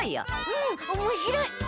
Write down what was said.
うんおもしろい。